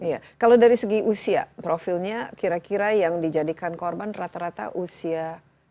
iya kalau dari segi usia profilnya kira kira yang dijadikan korban rata rata usia